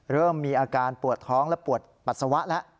เริ่มมีอาการปวดท้องและปวดปัสสาวะแล้ว